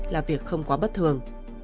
là việc không quá bất thường